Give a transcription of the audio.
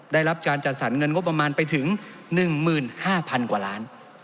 ได้รับการจัดสรรเงินงบประมาณไปถึง๑๕๐๐๐กว่าล้าน